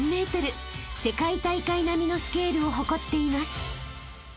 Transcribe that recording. ［世界大会並みのスケールを誇っています］